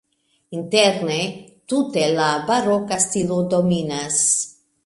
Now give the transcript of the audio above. Interne tute la baroka stilo dominas.